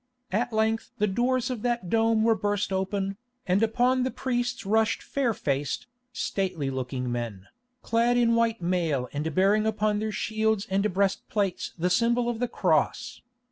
At length the doors of that dome were burst open, and upon the priests rushed fair faced, stately looking men, clad in white mail and bearing upon their shields and breastplates the symbol of the Cross.